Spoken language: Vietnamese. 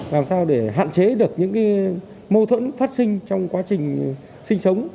làm sao để hạn chế được những mâu thuẫn phát sinh trong quá trình sinh sống